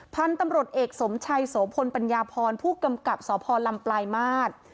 พันธุ์ตำรวจเอกสมชัยโสพลปัญญาพรผู้กำกับสพลำปลายมาตร